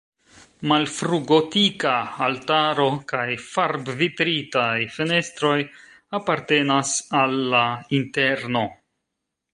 Malfrugotika altaro kaj farbvitritaj fenestroj apartenas al la interno.